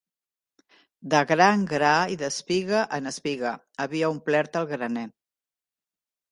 De gra en gra i d'espiga en espiga havia omplert el graner